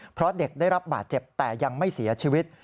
เพราะเด็กได้รับบาดเจ็บแต่ยังไม่เสียชีวิต